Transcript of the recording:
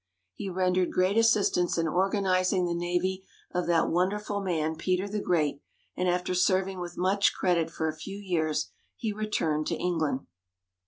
He rendered great assistance in organising the navy of that wonderful man Peter the Great, and after serving with much credit for a few years, he returned to England.